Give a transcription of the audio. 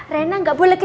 reina gak boleh kesini ya